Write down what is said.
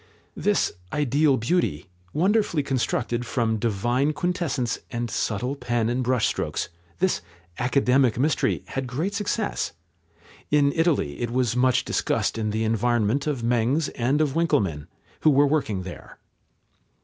This "ideal beauty," wonderfully constructed from divine quintessence and subtle pen and brush strokes, this academic mystery, had great success. In Italy it was much discussed in the environment of Mengs and of Winckelmann, who were working there.